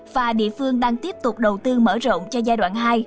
và địa phương đang tiếp tục đầu tư mở rộng cho giai đoạn hai